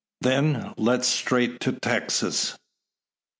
"Then, let's straight to Texas!"